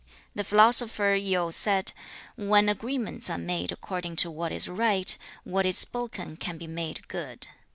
The philosopher Yu said, 'When agreements are made according to what is right, what is spoken can be made good.